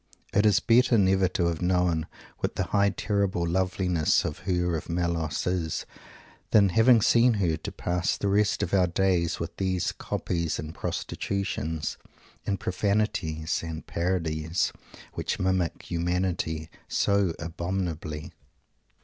It is better never to have known what the high, terrible loveliness of Her of Melos is than, having seen her, to pass the rest of our days with these copies, and prostitutions, and profanations, and parodies, "which mimic humanity so abominably"!